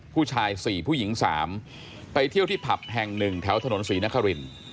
ผู้ชาย๔ผู้หญิง๓ไปเที่ยวที่ผับแห่ง๑แถวถนนศรีนคริน